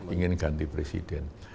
ingin ganti presiden